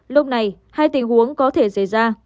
lúc này hai tình huống có thể xảy ra